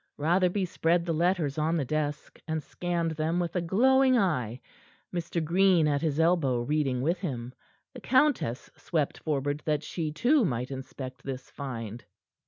Rotherby spread the letters on the desk, and scanned them with a glowing eye, Mr. Green at his elbow reading with him. The countess swept forward that she, too, might inspect this find.